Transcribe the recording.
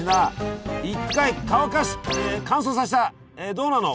どうなの？